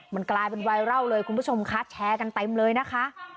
มันกลายเป็นไวรัลเลยคุณผู้ชมคะแชร์กันเต็มเลยนะคะ